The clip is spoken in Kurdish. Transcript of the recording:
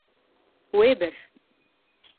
Wê bir.